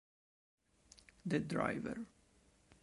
The Driver